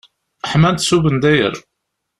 Ḥman-tt s ubendayer.